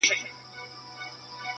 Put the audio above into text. نه پنډت ووهلم، نه راهب فتواء ورکړه خو.